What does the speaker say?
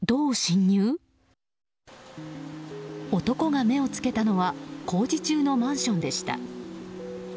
男が目を付けたのは工事中のマンションでした。